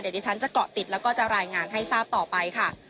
เดี๋ยวดิฉันจะเกาะติดแล้วก็จะรายงานให้ทราบต่อไปค่ะ